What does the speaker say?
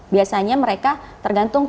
biasanya mereka tergantung